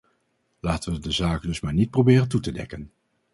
Laten we de zaken dus maar niet proberen toe te dekken.